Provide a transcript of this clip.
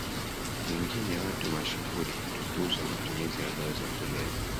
nyingine watu mashuhuri hutukuza matumizi ya dawa za kulevya